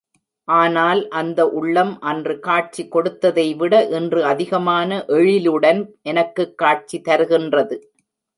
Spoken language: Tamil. ஆனால் அந்த உள்ளம் அன்று காட்சி கொடுத்ததைவிட இன்று அதிகமான எழிலுடன் எனக்குக் காட்சி தருகின்றது.